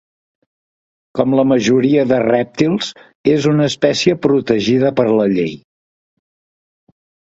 Com la majoria de rèptils, és una espècie protegida per la llei.